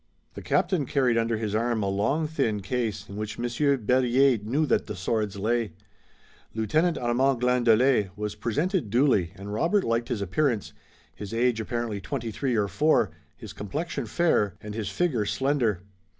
The captain carried under his arm a long thin case, in which Monsieur Berryer knew that the swords lay. Lieutenant Armand Glandelet was presented duly and Robert liked his appearance, his age apparently twenty three or four, his complexion fair and his figure slender.